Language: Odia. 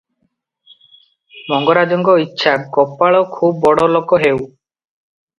ମହାଜଙ୍କ ଇଛା, ଗୋପାଳ ଖୁବ ବଡ଼ ଲୋକ ହେଉ ।